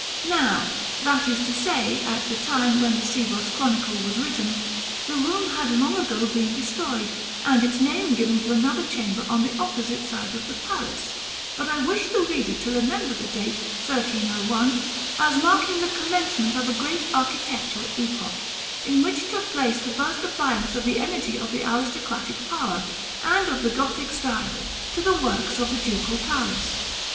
" Now, that is to say, at the time when the Sivos Chronicle was written; the room has long ago been destroyed, and its name given to another chamber on the opposite side of the palace: but I wish the reader to remember the date 1301, as marking the commencement of a great architectural epoch, in which took place the first appliance of the energy of the aristocratic power, and of the Gothic style, to the works of the Ducal Palace.